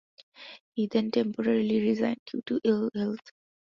He then temporarily resigned due to ill health.